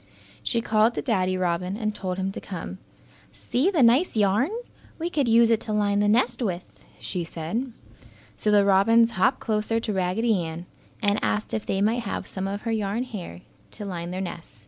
She called to Daddy Robin and told him to come. "See the nice yarn! We could use it to line the nest with," she said. So the robins hopped closer to Raggedy Ann and asked if they might have some of her yarn hair to line their nest.